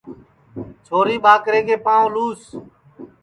چھوری ٻاکرے پاںٚو لُس